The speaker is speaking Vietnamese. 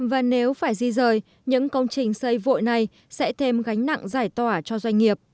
và nếu phải di rời những công trình xây vội này sẽ thêm gánh nặng giải tỏa cho doanh nghiệp